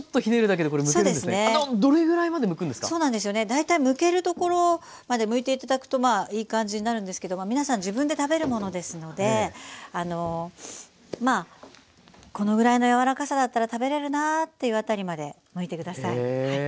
大体むけるところまでむいて頂くとまあいい感じになるんですけど皆さん自分で食べるものですのでまあこのぐらいの柔らかさだったら食べれるなっていう辺りまでむいてください。